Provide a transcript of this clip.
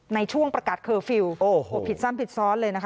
ในช่วงประกาศเคอร์ฟิลล์โอ้โหผิดซ้ำผิดซ้อนเลยนะคะ